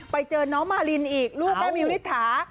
ไปเจอน้องมารินอีกลูกแม่วิวนิษฐา